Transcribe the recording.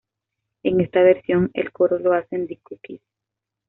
En esta versión, el coro lo hacen The Cookies.